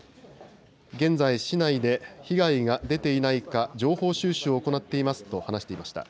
現在市内で被害が出ていないか情報収集を行っていますと話していました。